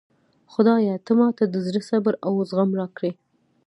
خدایه ته ماته د زړه صبر او زغم راکړي